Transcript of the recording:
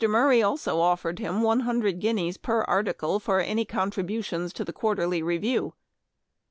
Murray also offered him one hundred guineas per article for any contributions to the Quarterly Review.